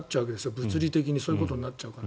物理的にそういうことになっちゃうから。